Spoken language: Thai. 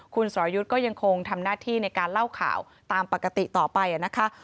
คุณสรยุทธ์ก็ยังคงทำหน้าที่ในการเล่าข่าวตามปกติต่อไปนะคะ